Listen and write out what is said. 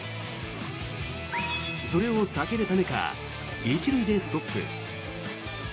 それを避けるためか１塁でストップ。